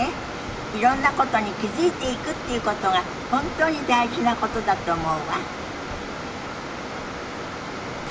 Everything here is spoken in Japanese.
いろんなことに気付いていくっていうことが本当に大事なことだと思うわ。